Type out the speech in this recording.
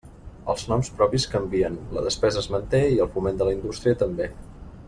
Els noms propis canvien, la despesa es manté i el foment de la indústria també.